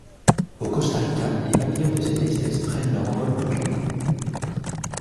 Au Costa Rica, les papillons de cette espèce prennent leur envol toute l'année.